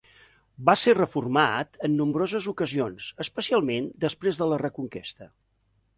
Va ser reformat en nombroses ocasions, especialment després de la Reconquesta.